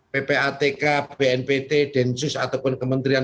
ppatk bnpt densus ataupun kementerian